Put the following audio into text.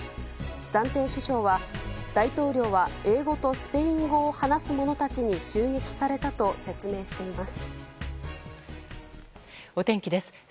暫定首相は大統領は英語とスペイン語を話す者たちに襲撃されたと説明しています。